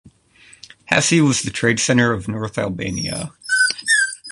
Hasi was the trade center of north Albania.